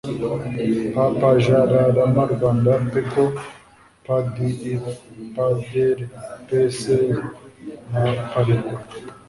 ppj r rama rwanda peco pdi pader psr na parerwa